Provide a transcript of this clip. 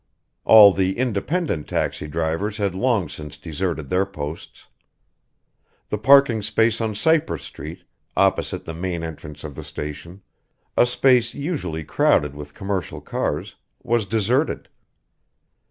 All the independent taxi drivers had long since deserted their posts. The parking space on Cypress Street, opposite the main entrance of the station a space usually crowded with commercial cars was deserted.